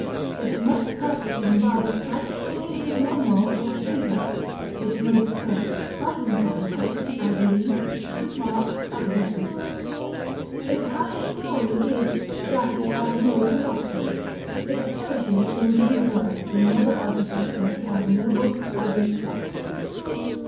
Its most perfect Lombardic type is the Duomo of Pisa; its most perfect Byzantine type (I believe), St. Mark's at Venice. Its highest glory is, that it has no corruption. It perishes in giving birth to another architecture as noble as itself.